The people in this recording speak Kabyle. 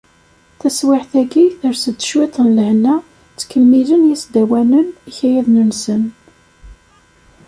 Taswiɛt-agi, ters-d cwiṭ n lehna, ttkemmilen yisdawanen ikayaden-nsen.